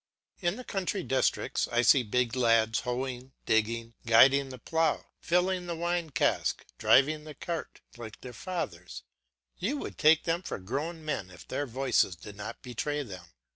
In the country districts, I see big lads hoeing, digging, guiding the plough, filling the wine cask, driving the cart, like their fathers; you would take them for grown men if their voices did not betray them.